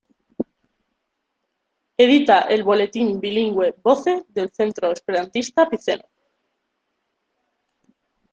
Edita el boletín bilingüe Voce del Centro Esperantista Piceno.